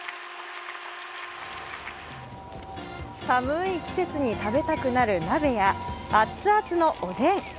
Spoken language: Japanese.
寒い季節に食べたくなる鍋や、あつあつのおでん。